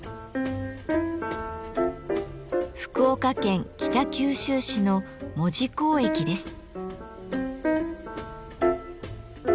福岡県北九州市の門司港駅です。